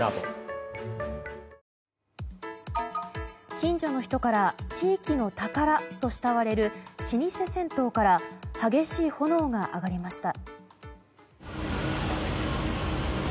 近所の人から地域の宝と慕われる老舗銭湯から激しい炎が上がりました。